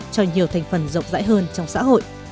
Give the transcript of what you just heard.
cho nhiều thành phần rộng rãi hơn trong xã hội